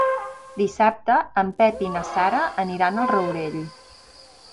Dissabte en Pep i na Sara aniran al Rourell.